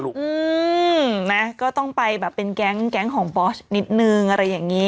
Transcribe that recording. อืมนะก็ต้องไปแบบเป็นแก๊งแก๊งของบอสนิดนึงอะไรอย่างนี้